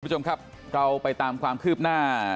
คุณผู้ชมครับเราไปตามความคืบหน้า